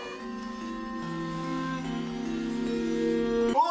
うわ！